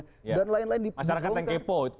masyarakat yang kepo itu maksud anda